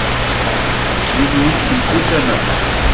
Zzin-iyi-d si mkul tama.